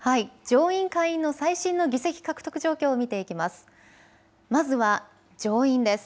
上院、下院の最新の議席獲得状況を見ていきます。